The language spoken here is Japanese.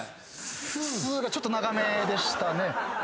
「スゥ」がちょっと長めでしたね。